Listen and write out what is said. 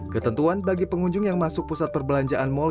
ketentuan bagi pengunjung yang masuk pusat perbelanjaan mal